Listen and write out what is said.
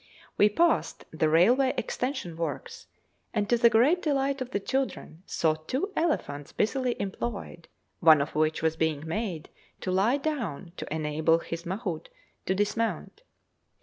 We passed the railway extension works, and, to the great delight of the children, saw two elephants busily employed, one of which was being made to lie down to enable his mahout to dismount.